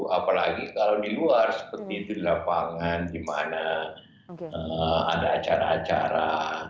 apalagi kalau di luar seperti itu di lapangan di mana ada acara acara